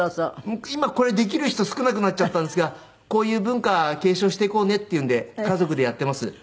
今これできる人少なくなっちゃったんですがこういう文化継承していこうねっていうんで家族でやっています。